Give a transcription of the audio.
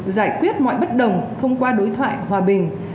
giải quyết mọi bất đồng thông qua đối thoại hòa bình